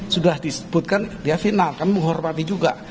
sudah disebutkan dia final kami menghormati juga